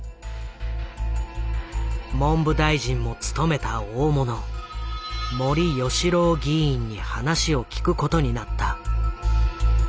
文部大臣も務めた大物森喜朗議員に話を聞くことになった。